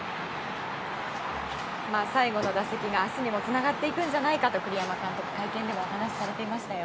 最後の打席が明日にもつながっていくんじゃないかと栗山監督、会見でもお話しされていましたよ。